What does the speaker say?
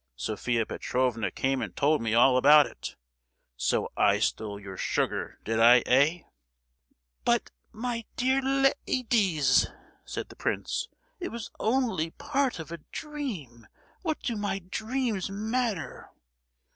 Sophia Petrovna came and told me all about it. So I stole your sugar, did I, eh?" "But, my dear la—dies!" said the prince, "it was only part of a dream! What do my dreams matter?